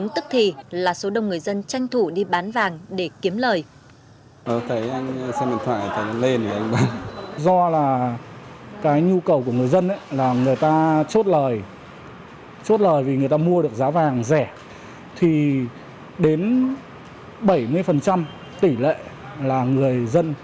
thì là số đông người dân tranh thủ đi bán vàng để kiếm lời